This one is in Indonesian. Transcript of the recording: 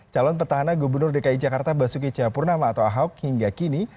calon petahana gubernur dki jakarta basuki cahapurnama atau ahok hingga kini